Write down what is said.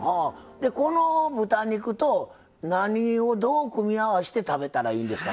でこの豚肉と何をどう組み合わして食べたらいいんですか？